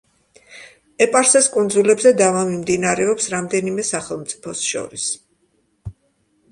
ეპარსეს კუნძულებზე დავა მიმდინარეობს რამდენიმე სახელმწიფოს შორის.